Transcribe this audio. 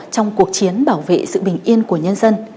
trong cuộc chiến bảo vệ sự bình yên của nhân dân